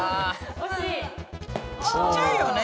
ちっちゃいよね